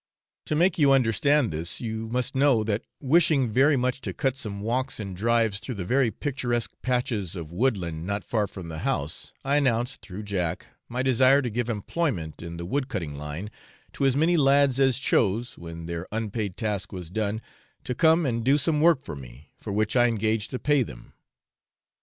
To make you understand this you must know, that wishing very much to cut some walks and drives through the very picturesque patches of woodland not far from the house, I announced, through Jack, my desire to give employment in the wood cutting line, to as many lads as chose, when their unpaid task was done, to come and do some work for me, for which I engaged to pay them.